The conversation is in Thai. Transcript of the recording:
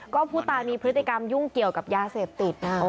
ก็ผู้ตายมีพฤติกรรมยุ่งเกี่ยวกับยาเสพติดนะ